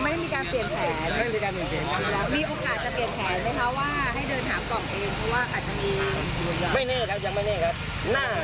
ไม่เนื่องครับยังไม่เนื่องครับ